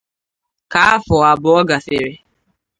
Ka afọ abụọ gafere